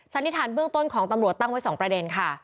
สันนิษฐานเบื้องต้นของตำรวจตั้งไว้๒ประเด็นค่ะ